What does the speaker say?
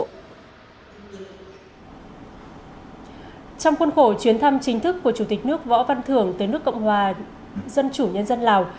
trong khuôn khổ chuyến thăm chính thức của chủ tịch nước võ văn thưởng tới nước cộng hòa dân chủ nhân dân lào